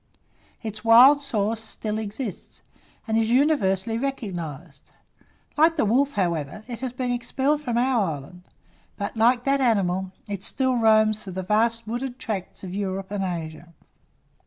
Its wild source still exists, and is universally recognized: like the wolf, however, it has been expelled from our island; but, like that animal, it still roams through the vast wooded tracts of Europe and Asia.